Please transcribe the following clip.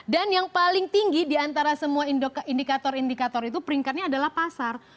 yang paling tinggi diantara semua indikator indikator itu peringkatnya adalah pasar